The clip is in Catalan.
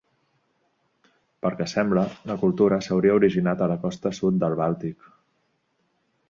Pel que sembla, la cultura s'hauria originat a la costa sud del Bàltic.